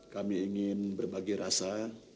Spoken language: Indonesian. kami ingin berbagi rasa